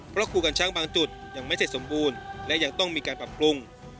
เพราะครูกัญช้างบางจุดยังไม่ใช่สมบูรณ์และยังต้องมีการปรับปรุง